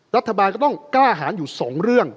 รัฐบาลก็ต้องกล้าหารอยู่สองเรื่อง